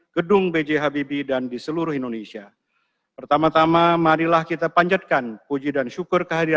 gedung bghb dan di seluruh indonesia pertama tama marilah kita panjatkan puji dan salam sejahtera